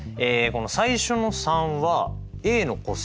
最初の３はＡの個数